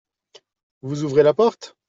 Vous ouvrez la porte ?